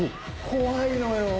怖いのよ。